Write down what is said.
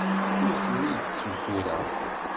Ur tent-id-ssutureɣ.